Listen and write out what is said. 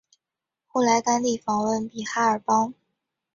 后来甘地访问比哈尔邦。